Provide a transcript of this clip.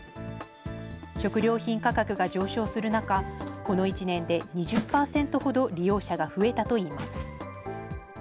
食料品価格が上昇する中、この１年で２０％ほど利用者が増えたといいます。